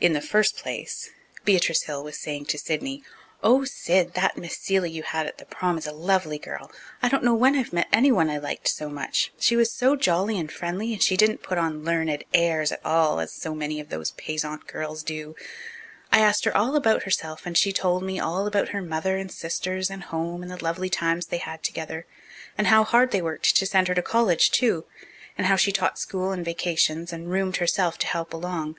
In the first place, Beatrice Hill was saying to Sidney, "Oh, Sid, that Miss Seeley you had at the prom is a lovely girl. I don't know when I've met anyone I liked so much. She was so jolly and friendly and she didn't put on learned airs at all, as so many of those Payzant girls do. I asked her all about herself and she told me, and all about her mother and sisters and home and the lovely times they had together, and how hard they worked to send her to college too, and how she taught school in vacations and 'roomed' herself to help along.